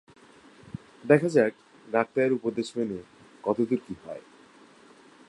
দেখা যাক, ডাক্তারের উপদেশ মেনে কতদূর কি হয়।